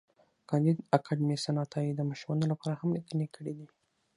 کانديد اکاډميسن عطایي د ماشومانو لپاره هم لیکني کړي دي.